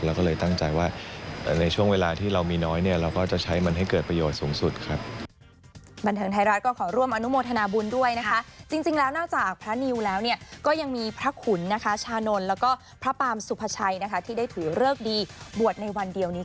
เราก็เลยตั้งใจว่าในช่วงเวลาที่เรามีน้อยเนี่ยเราก็จะใช้มันให้เกิดประโยชน์สูงสุดครับ